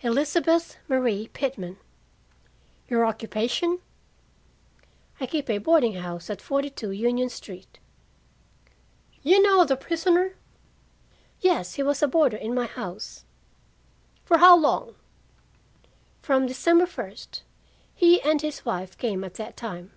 "Elizabeth Marie Pitman." "Your occupation?" "I keep a boarding house at 42 Union Street." "You know the prisoner?" "Yes. He was a boarder in my house." "For how long?" "From December first. He and his wife came at that time."